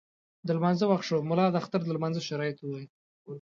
د لمانځه وخت شو، ملا د اختر د لمانځه شرایط وویل.